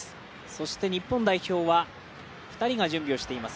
そして、日本代表は２人が準備をしています。